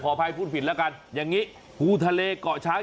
อภัยพูดผิดแล้วกันอย่างนี้ภูทะเลเกาะช้าง